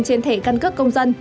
trên thẻ cân cướp công dân